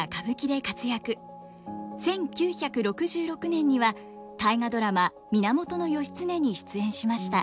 １９６６年には「大河ドラマ源義経」に出演しました。